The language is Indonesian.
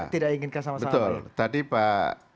tidak inginkan sama betul tadi pak